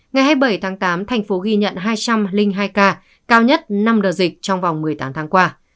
ngày hai mươi bảy tháng tám thành phố ghi nhận hai trăm linh hai ca cao nhất năm đợt dịch trong vòng một mươi tám tháng qua